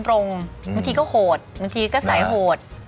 บางทีก็โหดบางทีก็สายโหด